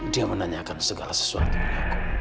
dia menanyakan segala sesuatu yang aku